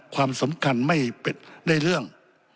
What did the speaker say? ความสำคัญไม่เป็นได้เรื่อง